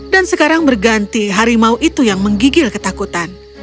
dan sekarang berganti harimau itu yang menggigil ketakutan